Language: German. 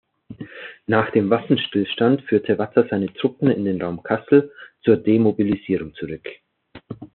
Nach dem Waffenstillstand führte Watter seine Truppen in den Raum Kassel zur Demobilisierung zurück.